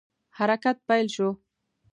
حرکت پیل شو.